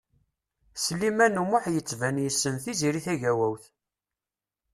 Sliman U Muḥ yettban yessen Tiziri Tagawawt.